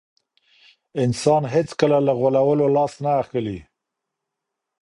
انسان هیڅکله له غولولو لاس نه اخلي.